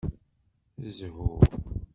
Zhu!